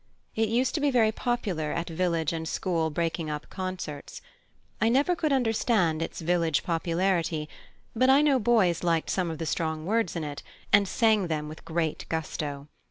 It used to be very popular at village and school breaking up concerts. I never could understand its village popularity, but I know boys liked some of the strong words in it, and sang them with great gusto.